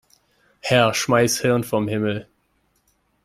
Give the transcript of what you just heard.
Herr, schmeiß Hirn vom Himmel.